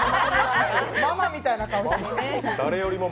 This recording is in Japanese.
ママみたいな顔して。